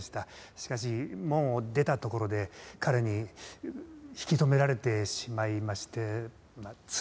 しかし門を出たところで彼に引き留められてしまいましてまあつい。